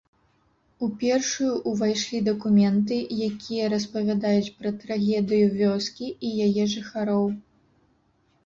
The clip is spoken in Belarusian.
У першую ўвайшлі дакументы, якія распавядаюць пра трагедыю вёскі і яе жыхароў.